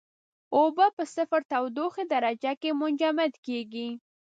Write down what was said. اوبه په صفر تودوخې درجه کې منجمد کیږي.